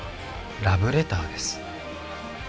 「ラブレターです」